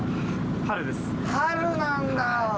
春なんだ。